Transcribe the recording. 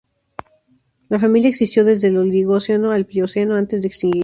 La familia existió desde el Oligoceno al Plioceno antes de extinguirse.